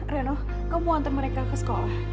reno kamu antar mereka ke sekolah